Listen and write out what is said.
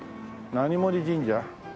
何森神社？